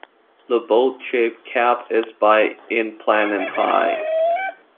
The boat-shaped cap is by in plan and high.